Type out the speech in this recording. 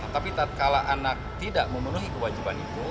tapi kalau anak tidak memenuhi kewajiban itu